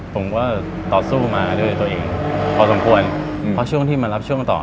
ผมก็ต่อสู้มาด้วยตัวเองพอสมควรเพราะช่วงที่มารับช่วงต่อ